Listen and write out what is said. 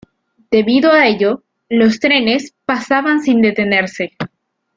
Debido a ello, los trenes pasaban sin detenerse.